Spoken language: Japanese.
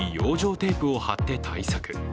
テープを貼って対策。